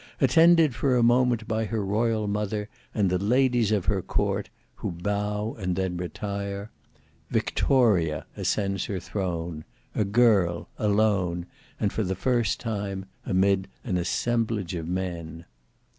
Attended for a moment by her royal mother and the ladies of her court, who bow and then retire, VICTORIA ascends her throne; a girl, alone, and for the first time, amid an assemblage of men.